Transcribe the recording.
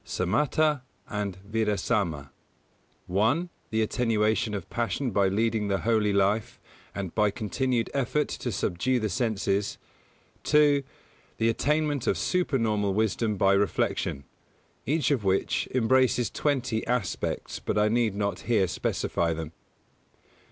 Samatha and Vidarsama: (1) the attenuation of passion by leading the holy life and by continued effort to subdue the senses; (2) the attainment of supernormal wisdom by reflection: each of which embraces twenty aspects, but I need not here specify them.